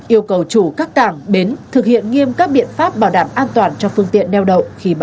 yêu cầu chủ các tảng bến thực hiện nghiêm các biện pháp bảo đảm an toàn cho phương tiện neo đậu khi bão đổ bộ